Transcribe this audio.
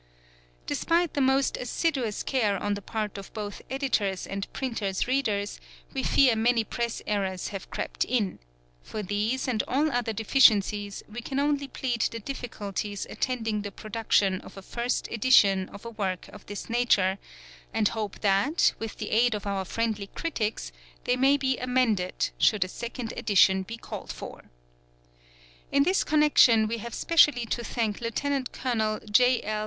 Despite the most assiduous care on the part of both editors and t printers' readers, we fear many press errors have crept in; for these, and all other deficiencies, we can only plead the difficulties attending the ~ production of a First Edition of a work of this nature, and hope that, with the aid of our friendly critics, they may be amended, should a Second Edition be called for. In this connection we have specially to thank Lt. Col. J. L.